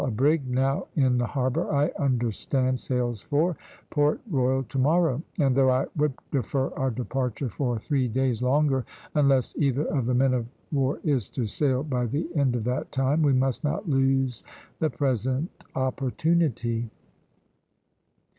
A brig now in the harbour, I understand, sails for Port Royal to morrow; and though I would defer our departure for three days longer, unless either of the men of war is to sail by the end of that time, we must not lose the present opportunity."